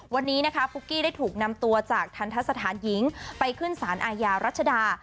วันนี้นะคะปุ๊กกี้ได้ถูกนำตัวจากทันทะสถานหญิงไปขึ้นสารอาญารัชดา